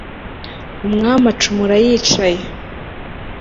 umwami acumura yicaye